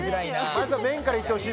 まずは麺からいってほしい。